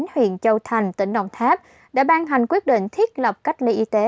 huyện châu thành tỉnh đồng tháp đã ban hành quyết định thiết lập cách ly y tế